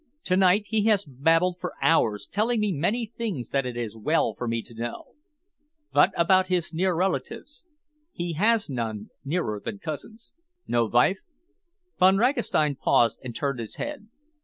To night he has babbled for hours, telling me many things that it is well for me to know." "What about his near relatives?" "He has none nearer than cousins." "No wife?" Von Ragastein paused and turned his head.